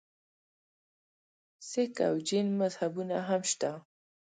سک او جین مذهبونه هم شته.